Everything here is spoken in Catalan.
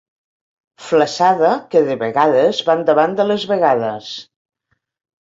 Flassada que de vegades van davant de les vegades.